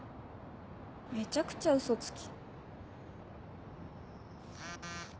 めちゃくちゃウソつき。